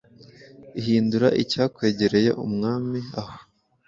ihindura Icyakwegereye umwami aho